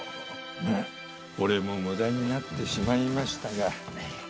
まあこれも無駄になってしまいましたが。